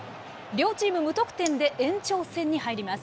両チーム無得点で延長戦に入ります。